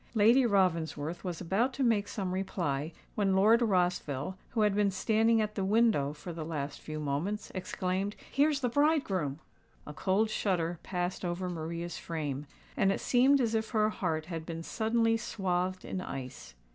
Lady Ravensworth was about to make some reply, when Lord Rossville, who had been standing at the window for the last few moments, exclaimed, "Here's the bridegroom!" A cold shudder passed over Maria's frame; and it seemed as if her heart had been suddenly swathed in ice.